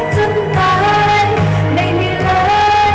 จนตายไม่มีเธอ